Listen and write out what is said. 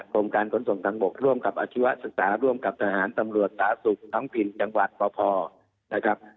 กรมการส่วนส่งทางบกร่วมกับอธิวะศึกษาร่วมกับทหารตำรวจตราศุกร์น้องพิลจังหวัดปนะครับ